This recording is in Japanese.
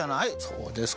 そうです